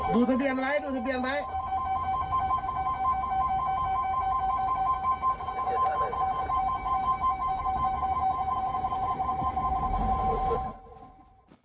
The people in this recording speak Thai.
ดูทะเบียนไหม